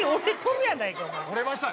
折れました。